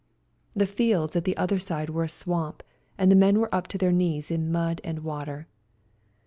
The fields at the other side were a swamp, and the men were up to their knees in mud and water.